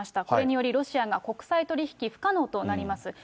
これにより、ロシアが国際取り引き不可能となります。